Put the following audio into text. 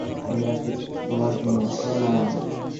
আমি আসছি তোমার জন্য, সুপারম্যান।